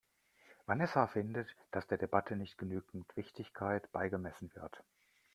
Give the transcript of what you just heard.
Vanessa findet, dass der Debatte nicht genügend Wichtigkeit beigemessen wird.